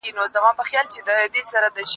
مشران له پېړيو راهيسې ملي پرېکړي کوي.